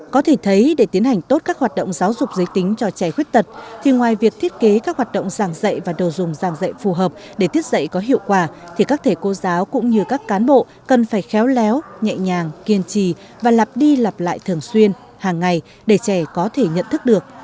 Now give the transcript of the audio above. có thể thấy để tiến hành tốt các hoạt động giáo dục giới tính cho trẻ khuyết tật thì ngoài việc thiết kế các hoạt động giảng dạy và đồ dùng giảng dạy phù hợp để tiết dạy có hiệu quả thì các thầy cô giáo cũng như các cán bộ cần phải khéo léo nhẹ nhàng kiên trì và lặp đi lặp lại thường xuyên hàng ngày để trẻ có thể nhận thức được